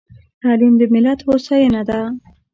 تعليم د ملت هوساينه ده.